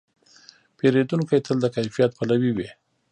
پیرودونکی تل د کیفیت پلوي وي.